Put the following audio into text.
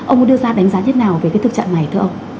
ông có đưa ra đánh giá thế nào về cái thực trạng này thưa ông